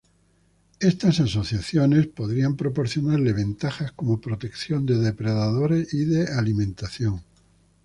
Estas asociaciones podrían proporcionarle ventajas como protección de depredadores y de alimentación.